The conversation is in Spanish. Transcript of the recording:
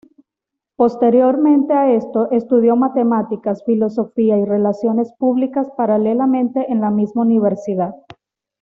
Posteriormente a esto, estudió matemáticas, filosofía y relaciones públicas paralelamente, en la misma universidad.